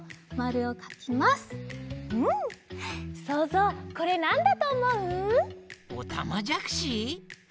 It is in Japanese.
そうぞうこれなんだとおもう？